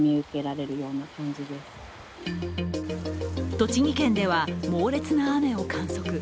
栃木県では猛烈な雨を観測。